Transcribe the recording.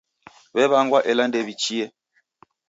W'ew'angwa ela ndew'ichie.